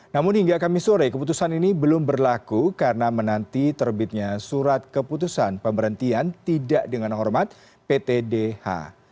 namun hingga kamis sore keputusan ini belum berlaku karena menanti terbitnya surat keputusan pemberhentian tidak dengan hormat ptdh